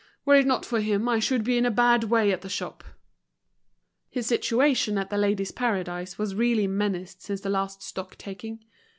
Were it not for him I should be in a bad way at the shop." His situation at The Ladies' Paradise was really menaced since the last stock taking.